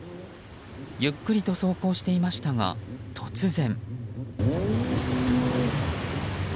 ゆっくりと走行していましたが突然。